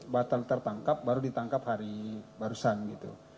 batal tertangkap baru ditangkap hari barusan gitu